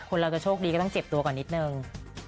คนเราจะโชคดีก็ต้องเจ็บตัวก่อนนิดนึง